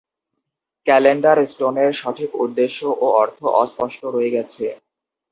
Calendar স্টোনের সঠিক উদ্দেশ্য ও অর্থ অস্পষ্ট রয়ে গেছে।